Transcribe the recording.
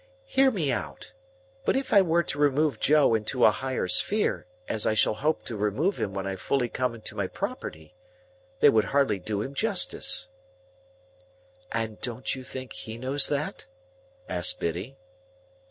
"Hear me out,—but if I were to remove Joe into a higher sphere, as I shall hope to remove him when I fully come into my property, they would hardly do him justice." "And don't you think he knows that?" asked Biddy.